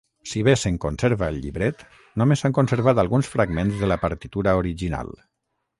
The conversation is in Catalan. Si bé se'n conserva el llibret, només s'han conservat alguns fragments de la partitura original.